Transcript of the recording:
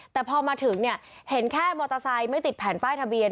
แต่พอมาถึงเห็นแค่มอเตอร์ไซค์ไม่ติดแผ่นป้ายทะเบียน